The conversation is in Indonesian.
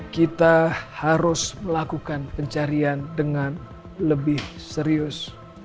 kita harus melakukan pencarian dengan lebih serius